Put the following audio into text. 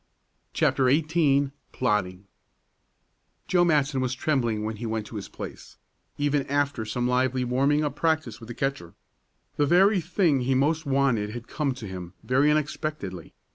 CHAPTER XVIII PLOTTING Joe Matson was trembling when he went to his place, even after some lively warming up practice with the catcher. The very thing he most wanted had come to him very unexpectedly.